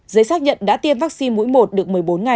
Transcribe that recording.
giấy xác nhận đã tiêm vaccine mũi một được một mươi bốn ngày